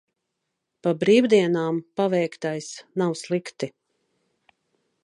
Pa brīvdienām paveiktais nav slikti.